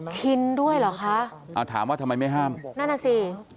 ชินด้วยเหรอคะอ่าถามว่าทำไมไม่ห้ามนั่นน่ะสิ